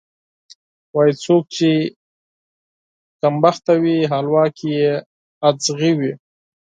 وایي: څوک چې کمبخته وي، حلوا کې یې ازغی وي.